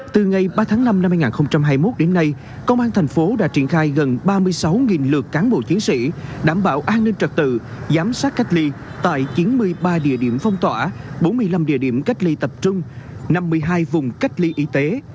từ ngày ba tháng năm năm hai nghìn hai mươi một đến nay công an thành phố đã triển khai gần ba mươi sáu lượt cán bộ chiến sĩ đảm bảo an ninh trật tự giám sát cách ly tại chín mươi ba địa điểm phong tỏa bốn mươi năm địa điểm cách ly tập trung năm mươi hai vùng cách ly y tế